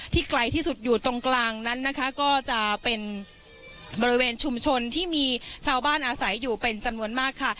ไกลที่สุดอยู่ตรงกลางนั้นนะคะก็จะเป็นบริเวณชุมชนที่มีชาวบ้านอาศัยอยู่เป็นจำนวนมากค่ะ